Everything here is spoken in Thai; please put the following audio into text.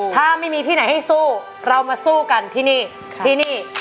ถ้าไม่มีที่ไหนให้สู้เรามาสู้กันที่นี่ที่นี่